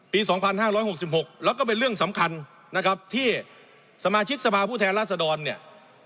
ปีสองพันห้าร้อยหกสิบหกแล้วก็เป็นเรื่องสำคัญนะครับที่สมาชิกสภาผู้แทนราศดรเนี่ย